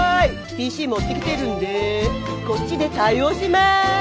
ＰＣ持ってきてるんでこっちで対応します！